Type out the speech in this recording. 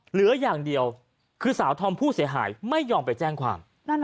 เหลืออย่างเดียวคือสาวธอมผู้เสียหายไม่ยอมไปแจ้งความ